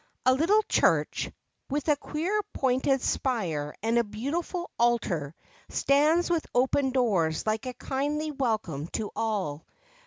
A little church, with a queer pointed spire and a beautiful altar, stands with open doors like a kindly welcome to all.